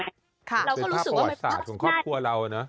เป็นภาพประวัติศาสตร์ของครอบครัวเรานะ